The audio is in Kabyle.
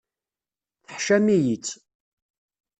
Teḥcam-iyi-tt.